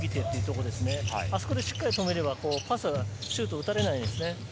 そこをしっかり止めれば、シュートを打たれないですね。